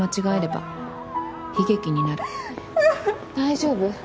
大丈夫？